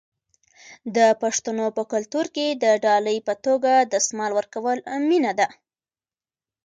د پښتنو په کلتور کې د ډالۍ په توګه دستمال ورکول مینه ده.